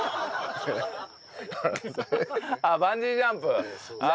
ああバンジージャンプあ